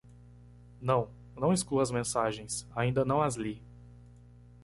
Não? não exclua as mensagens? Ainda não as li.